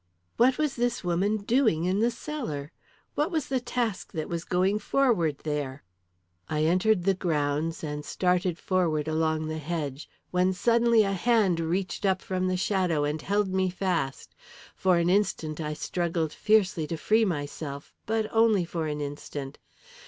What was this woman doing in the cellar? What was the task that was going forward there? I entered the grounds and started forward along the hedge, when suddenly a hand reached up from the shadow and held me fast. For an instant I struggled fiercely to free myself but only for an instant.